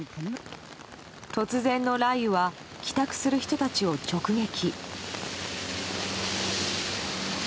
突然の雷雨は帰宅する人たちを直撃。